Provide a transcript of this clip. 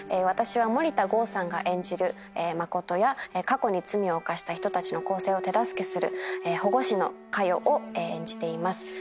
私は森田剛さんが演じる誠や過去に罪を犯した人たちの更生を手助けする保護司の佳代を演じています。